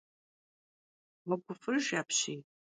Ğueguf'ıjj apşiy!